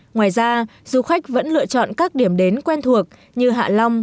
ngoài ra du khách vẫn lựa chọn các điểm đến quen thuộc như hạ long